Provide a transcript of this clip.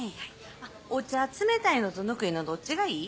お茶冷たいのと温いのどっちがいい？